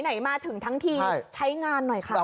ไหนมาถึงทั้งทีใช้งานหน่อยค่ะ